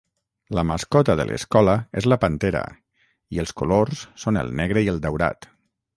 La mascota de l'escola és la pantera i els colors són el negre i el daurat.